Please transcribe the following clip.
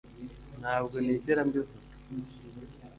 Ntabwo nigera mbivuga